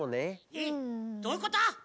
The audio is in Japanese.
えっどういうこと！？